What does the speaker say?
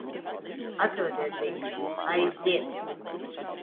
Atrodiet viņu. Aiziet!